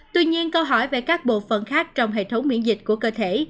tuy nhiên câu hỏi về các bộ phận khác trong hệ thống miễn dịch của cơ thể